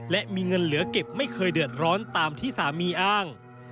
และมีเงินเหลือเก็บไม่เคยเดือดร้อนตามที่สามีอ้าง